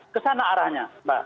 kesana arahnya mbak